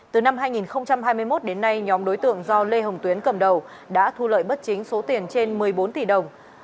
từ năm hai nghìn hai mươi một đến nay nhóm đối tượng do lê hồng tuyến cầm đầu đã thu lợi bất chính số tiền trên một mươi bốn tỷ đồng